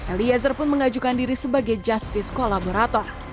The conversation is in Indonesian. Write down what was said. eliezer pun mengajukan diri sebagai justice kolaborator